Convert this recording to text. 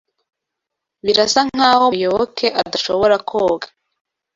Birasa nkaho Muyoboke adashobora koga.